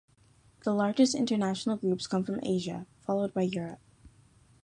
The largest international groups come from Asia, followed by Europe.